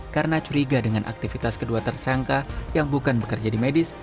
karena curiga dengan aktivitas kedua tersangka yang bukan bekerja di medis